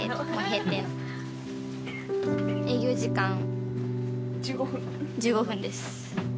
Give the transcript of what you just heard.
営業時間１５分です。